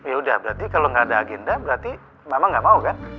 yaudah berarti kalau nggak ada agenda berarti mama nggak mau kan